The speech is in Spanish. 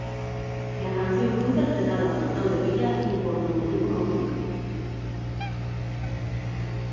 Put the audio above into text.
La canción fue interpretada por Claudio Villa y por Domenico Modugno.